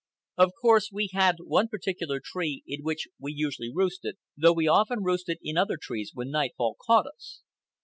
Of course, we had one particular tree in which we usually roosted, though we often roosted in other trees when nightfall caught us.